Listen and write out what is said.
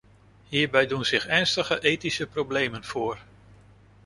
Hierbij doen zich ernstige ethische problemen voor.